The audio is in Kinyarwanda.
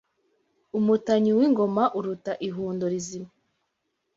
Umutanyu w'ingoma uruta ihundo rizima